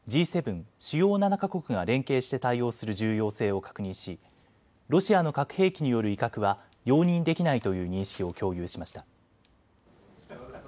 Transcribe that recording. ・主要７か国が連携して対応する重要性を確認し、ロシアの核兵器による威嚇は容認できないという認識を共有しました。